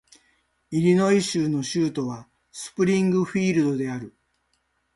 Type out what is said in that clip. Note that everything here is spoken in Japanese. イリノイ州の州都はスプリングフィールドである